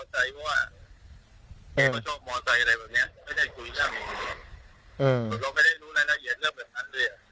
ช่วงมทประเมนแทนกอลว่าไปแคร่ที่นี่ไม่ได้เป็น